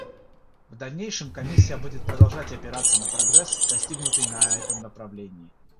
В дальнейшем Комиссия будет продолжать опираться на прогресс, достигнутый на этом направлении.